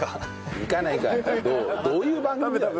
どういう番組だよ？